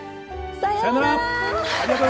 さようなら！